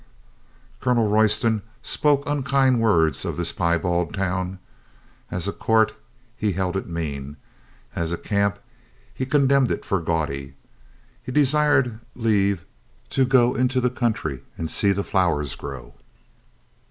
Colonel Royston spoke unkind words of this pie bald town. As a court he held it mean. As a camp he condemned it for gaudy. He desired leave to go into the country and see the flowers grow.